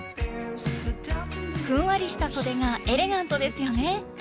ふんわりしたそでがエレガントですよね。